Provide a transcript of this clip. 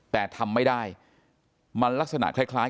แต่ทำไม่ได้มันลักษณะคล้าย